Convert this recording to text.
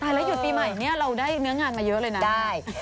แล้วหยุดปีใหม่เนี่ยเราได้เนื้องานมาเยอะเลยนะได้